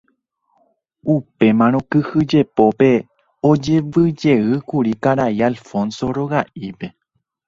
Upémarõ kyhyjepópe ojevyjeýkuri karai Alfonso roga'ípe.